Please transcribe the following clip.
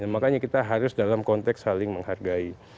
makanya kita harus dalam konteks saling menghargai